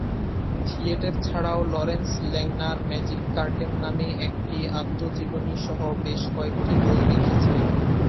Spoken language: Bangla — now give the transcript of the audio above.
থিয়েটার ছাড়াও লরেন্স ল্যাংনার "ম্যাজিক কার্টেন" নামে একটি আত্মজীবনীসহ বেশ কয়েকটি বই লিখেছেন।